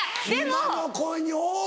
今の子に多い。